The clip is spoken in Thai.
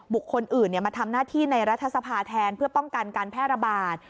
คนอื่นมาทำหน้าที่ในรัฐสภาแทนเพื่อป้องกันการแพร่ระบาด